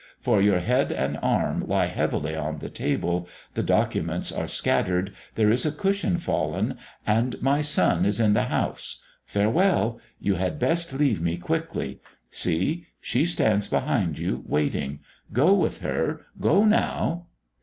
For your head and arm lie heavily on the table, the documents are scattered, there is a cushion fallen ... and my son is in the house.... Farewell! You had best leave me quickly. See! She stands behind you, waiting. Go with her! Go now...!"